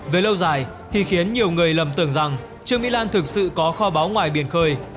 về lâu dài thì khiến nhiều người lầm tưởng rằng trương mỹ lan thực sự có kho báo ngoài biển khơi